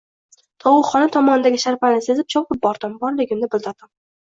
Tovuqxona tomondagi sharpani sezib chopib bordim, borligimni bildirdim